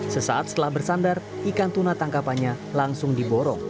sesaat setelah bersandar ikan tuna tangkapannya langsung diborong